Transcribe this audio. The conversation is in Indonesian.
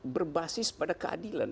berbasis pada keadilan